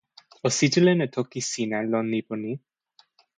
o sitelen e toki sina lon lipu ni